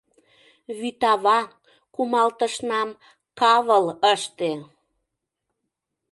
Вӱд Ава, кумалтышнам кавыл ыште!